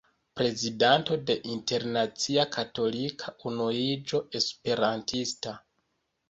Prezidanto de Internacia Katolika Unuiĝo Esperantista.